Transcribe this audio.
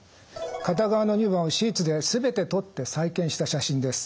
片側の乳房を手術で全て取って再建した写真です。